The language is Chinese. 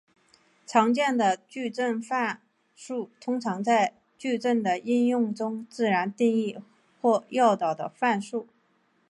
常见的矩阵范数通常是在矩阵的应用中自然定义或诱导的范数。